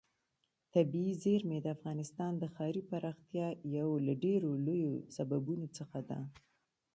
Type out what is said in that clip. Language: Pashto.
طبیعي زیرمې د افغانستان د ښاري پراختیا یو له ډېرو لویو سببونو څخه ده.